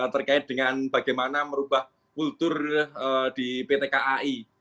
terkait dengan bagaimana merubah kultur di pt kai